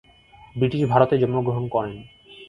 British ভারতে জন্মগ্রহণ করেন।